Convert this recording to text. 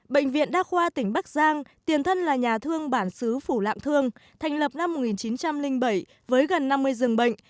bệnh viện đa khoa tỉnh bắc giang tiền thân là nhà thương bản xứ phủ lạng thương thành lập năm một nghìn chín trăm linh bảy với gần năm mươi giường bệnh